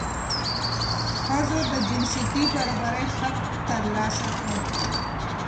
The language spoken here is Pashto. ښځو د جنسیتي برابرۍ حق ترلاسه کړ.